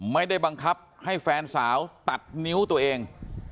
ไม่ได้บังคับให้แฟนสาวตัดนิ้วตัวเอง